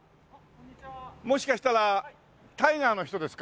もしかしたらタイガーの人ですか？